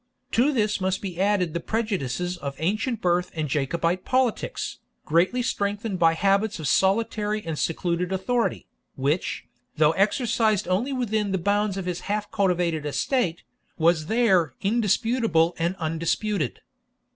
To this must be added the prejudices of ancient birth and Jacobite politics, greatly strengthened by habits of solitary and secluded authority, which, though exercised only within the bounds of his half cultivated estate, was there indisputable and undisputed.